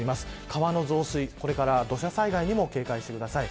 川の増水、これから土砂災害にも警戒してください。